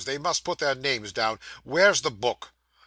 They must put their names down. Where's the book?